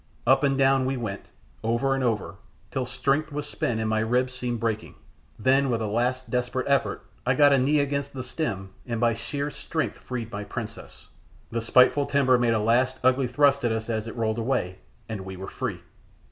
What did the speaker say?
Up and down we went, over and over, till strength was spent and my ribs seemed breaking; then, with a last desperate effort, I got a knee against the stem, and by sheer strength freed my princess the spiteful timber made a last ugly thrust at us as it rolled away and we were free!